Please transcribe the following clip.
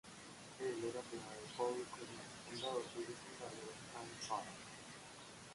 Él era primo de Paul Cornell, fundador del vecindario de Hyde Park.